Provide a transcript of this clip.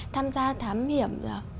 tham gia thám hiểm